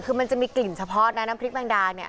คือมันจะมีกลิ่นเฉพาะนะน้ำพริกแมงดาเนี่ย